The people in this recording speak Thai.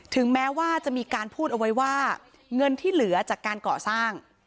ถึงแม้ว่าจะมีการพูดเอาไว้ว่าเงินที่เหลือจากการก่อสร้าง